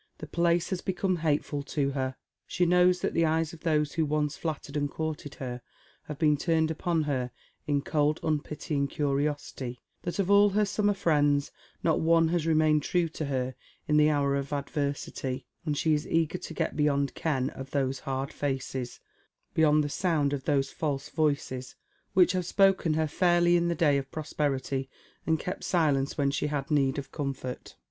The place has become hateful to her. She knows that the eyes of those who once flattered and courted her have been turned upon her in cold unpitying curiosity, that of all her summer friends not one has remained true to her in the hour of adversity, and she is eager to get beyond ken of those cold hard faces, beyond the sound of those false voices, which have spoken her fairly in the day of prosperity, and kept silence ^'hen she had need of comfort.